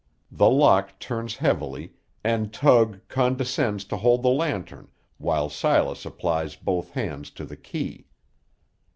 The lock turns heavily, and Tug condescends to hold the lantern while Silas applies both hands to the key.